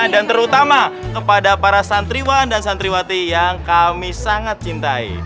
dan terutama kepada para santriwan dan santriwati yang kami sangat cintai